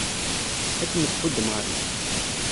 Ad kem-tḥudd Mary.